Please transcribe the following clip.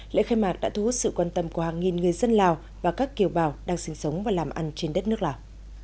lễ khai mạc đã thu hút sự quan tâm của hàng nghìn người dân lào và các kiều bào đang sinh sống và làm ăn trên đất nước lào